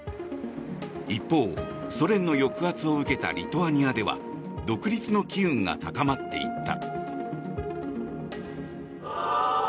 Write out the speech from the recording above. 一方、ソ連の抑圧を受けたリトアニアでは独立の機運が高まっていった。